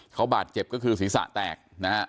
เขาบาดเจ็บก็คือศีรษะแตกนะฮะ